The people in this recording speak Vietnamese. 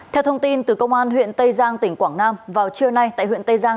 theo thông tin từ công an huyện tây giang tỉnh quảng nam vào trưa nay tại huyện tây giang